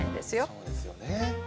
そうですよね。